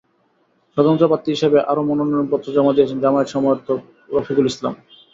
স্বতন্ত্র প্রার্থী হিসেবে আরও মনোনয়নপত্র জমা দিয়েছেন জামায়াত সমর্থক রফিকুল ইসলাম।